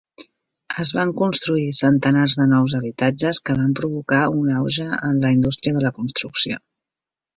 Es van construir centenars de nous habitatges que van provocar un auge en la indústria de la construcció.